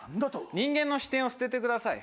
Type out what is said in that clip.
人間の視点を捨ててください。